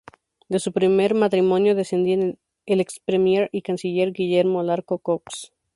De su primer matrimonio desciende el ex-premier y canciller Guillermo Larco Cox.